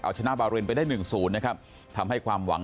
เอาชนะบาเรนไปได้๑๐นะครับทำให้ความหวัง